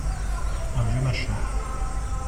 Un vieux machin.